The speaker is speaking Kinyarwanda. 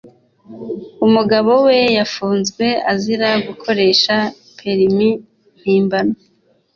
Umugabo we yafunzwe azira gukoresha perimi mpimbano